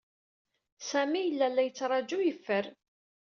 Sami yella la yettṛaju yeffer.